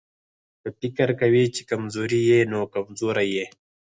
که فکر کوې چې کمزوری يې نو کمزوری يې.